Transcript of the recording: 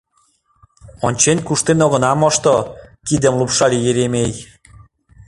— Ончен куштен огына мошто, — кидым лупшале Еремей.